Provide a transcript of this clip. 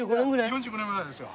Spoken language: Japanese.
４５年ぐらいですよ。